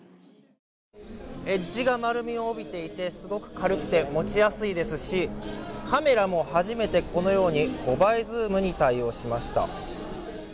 エッジが丸みを帯びていて、すごく軽くて持ちやすいですしカメラも初めてこのように５倍ズームに対応しました。